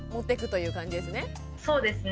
そうですね。